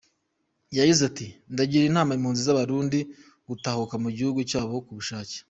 Yagize ati “Ndagira inama impunzi z’Abarundi gutahuka mu gihugu cyabo ku bushake.